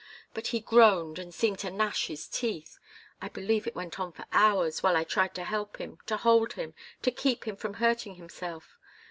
But he groaned, and seemed to gnash his teeth I believe it went on for hours, while I tried to help him, to hold him, to keep him from hurting himself.